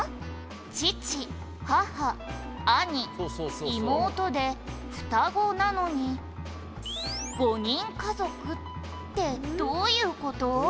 「父母兄妹でふたごなのに５人家族ってどういう事？」